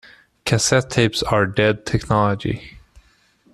Cassette tapes are dead technology.